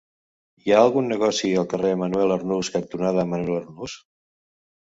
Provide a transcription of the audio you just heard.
Hi ha algun negoci al carrer Manuel Arnús cantonada Manuel Arnús?